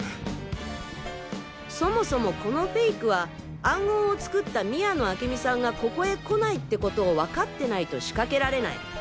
そもそもこのフェイクは暗号を作った宮野明美さんがここへ来ないってことをわかってないと仕掛けられない。